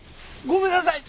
ごめんなさい！